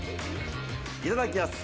いただきやす。